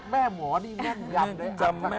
แม่หมอนี่แย่งหยับ